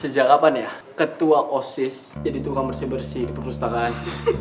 sejak kapan ya ketua osis jadi tukang bersih bersih perpustakaan